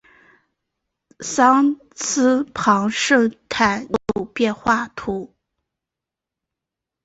桑斯旁圣但尼人口变化图示